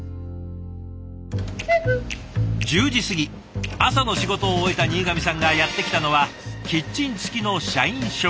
１０時過ぎ朝の仕事を終えた新上さんがやって来たのはキッチン付きの社員食堂。